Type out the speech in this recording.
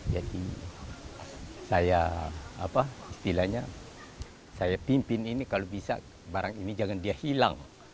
jadi saya pimpin ini kalau bisa barang ini jangan dia hilang